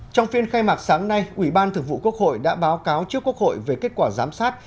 trong phiên khai mạc sáng nay ủy ban thực vụ quốc hội đã báo cáo trước quốc hội về kết quả giám sát